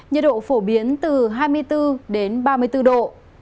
nhiệt độ phổ biến từ hai mươi bốn đến ba mươi bốn độ